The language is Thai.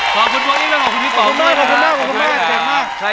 กิเลนพยองครับ